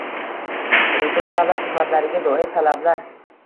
Elektron davlat xizmatlariga doir talablar